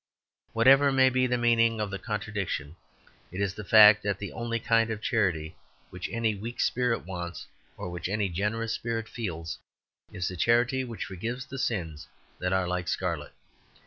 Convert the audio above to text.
Whatever may be the meaning of the contradiction, it is the fact that the only kind of charity which any weak spirit wants, or which any generous spirit feels, is the charity which forgives the sins that are like scarlet.